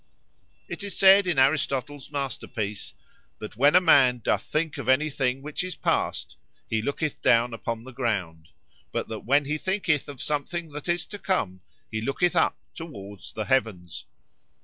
It is said in Aristotle's Master Piece, "That when a man doth think of any thing which is past,—he looketh down upon the ground;——but that when he thinketh of something that is to come, he looketh up towards the heavens."